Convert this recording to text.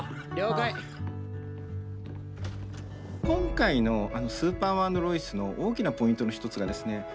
今回の「スーパーマン＆ロイス」の大きなポイントの一つがですね